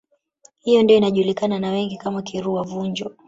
Hiyo ndiyo inajulikana na wengi kama Kirua Vunjo